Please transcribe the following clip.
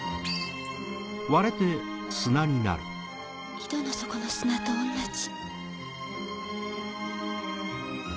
井戸の底の砂と同じ。